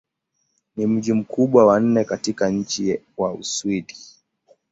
Ni mji mkubwa wa nne katika nchi wa Uswidi.